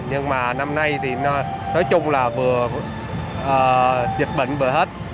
nhưng mà năm nay thì nói chung là vừa dịch bệnh vừa hết